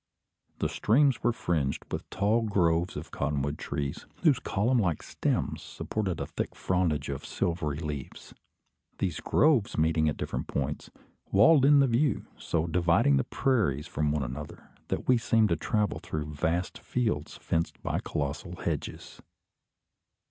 The streams were fringed with tall groves of cottonwood trees, whose column like stems supported a thick frondage of silvery leaves. These groves meeting at different points, walled in the view, so dividing the prairies from one another, that we seemed to travel through vast fields fenced by colossal hedges.